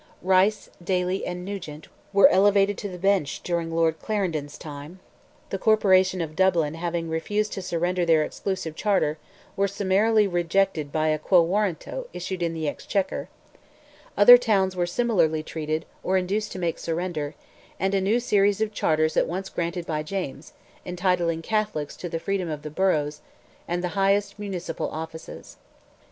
Rice, Daly, and Nugent, were elevated to the bench during Lord Clarendon's time; the Corporation of Dublin having refused to surrender their exclusive charter, were summarily rejected by a quo warranto, issued in the exchequer; other towns were similarly treated, or induced to make surrender, and a new series of charters at once granted by James, entitling Catholics to the freedom of the boroughs, and the highest municipal offices.